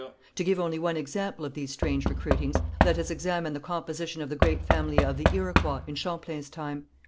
To give only one example of these strange recruitings, let us examine the composition of the great family of the Iroquois in Champlain's time.